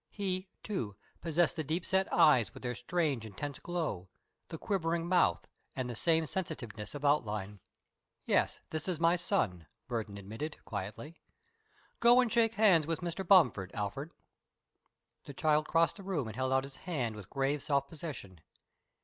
He, too, possessed the deep set eyes with their strange, intense glow, the quivering mouth, the same sensitiveness of outline. "Yes, this is my son," Burton admitted, quietly. "Go and shake hands with Mr. Bomford, Alfred." The child crossed the room and held out his hand with grave self possession.